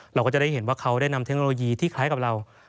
เราก็จะได้เห็นว่าเขาได้นำเทคโนโลยีที่คล้ายกับเรา